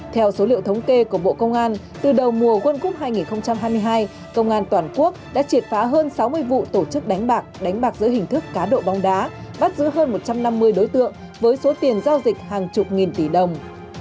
theo số liệu thống kê của bộ công an từ đầu mùa quân cúc hai nghìn hai mươi hai công an toàn quốc đã triệt phá hơn sáu mươi vụ tổ chức đánh bạc đánh bạc giữa hình thức cá độ bóng đá bắt giữ hơn một trăm năm mươi đối tượng với số tiền giao dịch hàng chục nghìn tỷ đồng